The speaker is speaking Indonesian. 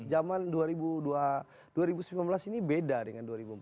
zaman dua ribu sembilan belas ini beda dengan dua ribu empat belas